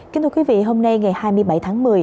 kính thưa quý vị hôm nay ngày hai mươi bảy tháng một mươi